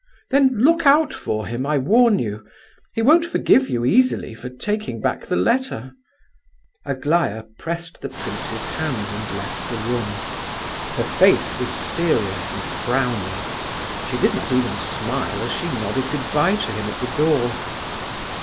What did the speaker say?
"Then look out for him, I warn you! He won't forgive you easily, for taking back the letter." Aglaya pressed the prince's hand and left the room. Her face was serious and frowning; she did not even smile as she nodded good bye to him at the door.